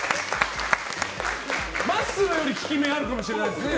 マッスルより効き目あるかもしれないですね。